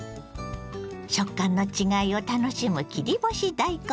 食感の違いを楽しむ切り干し大根。